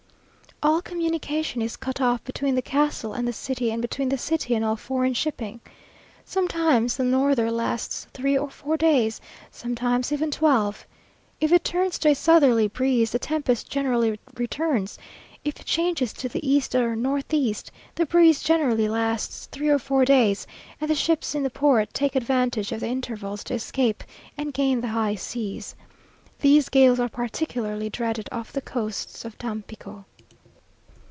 All communication is cut off between the castle and the city, and between the city and all foreign shipping. Sometimes the norther lasts three or four days, sometimes even twelve. If it turns to a southerly breeze, the tempest generally returns; if it changes to the east or north east, the breeze generally lasts three or four days, and the ships in the port take advantage of the intervals to escape, and gain the high seas. These gales are particularly dreaded off the coasts of Tampico.